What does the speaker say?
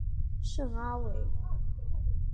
圣阿维。